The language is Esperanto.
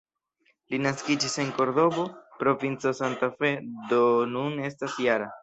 Li naskiĝis en Kordobo, provinco Santa Fe, do nun estas -jara.